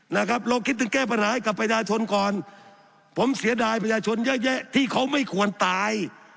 นะครับเราคิดถึงแก้ปัญหาให้กับประชาชนก่อนผมเสียดายประชาชนเยอะแยะที่เขาไม่ควรตาย